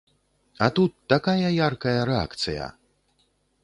А тут такая яркая рэакцыя!